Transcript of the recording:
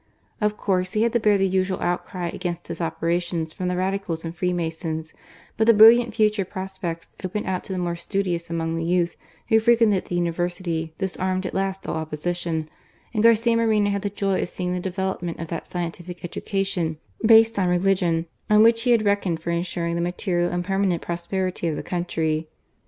Of course, he had to bear the usual outcry against his operations from the Radicals and Freemasons : but the brilliant future prospects opened out to the more studious among the youth who frequented the Univer sity disarmed at last all opposition; and Garcia Moreno had the joy of seeing the development of that scientific education, based on religion, on which he had reckoned for ensuring the material and permanent prosperity of the country.